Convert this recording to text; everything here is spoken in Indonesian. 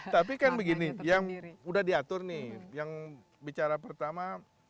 tapi kan begini yang udah diatur nih yang bicara pertama